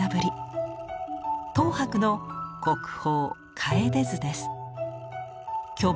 等伯の国宝「楓図」です。